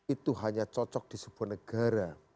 itu hanya cocok di sebuah negara